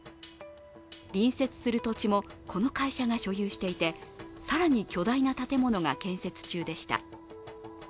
隣接する土地も、この会社が所有していて更に巨大な建物が建設中でした。